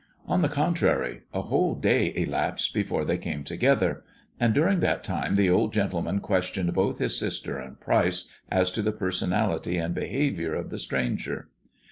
On the contrary a whole day elapsed before they came together; and during that time the old gentleman questioned both his sister and Pryce as to the personality and behaviour of the stranger.